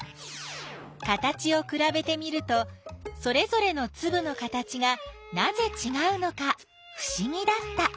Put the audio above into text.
形をくらべてみるとそれぞれのつぶの形がなぜちがうのかふしぎだった。